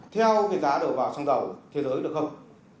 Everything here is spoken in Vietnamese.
theo cái giá đầu vào xăng đầu thế giới được không